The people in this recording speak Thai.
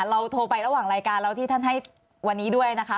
โทรไประหว่างรายการเราที่ท่านให้วันนี้ด้วยนะคะ